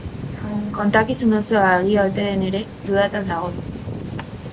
Kontakizun osoa egia ote den ere, dudatan dago.